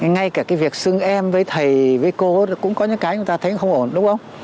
ngay cả cái việc xưng em với thầy với cô cũng có những cái chúng ta thấy không ổn đúng không